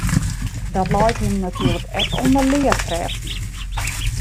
Dat leit him natuerlik ek oan de learkrêften.